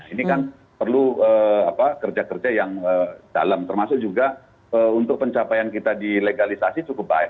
ini kan perlu kerja kerja yang dalam termasuk juga untuk pencapaian kita dilegalisasi cukup baik